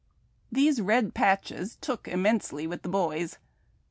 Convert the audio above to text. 257 These red patclies took immensely with the "boys."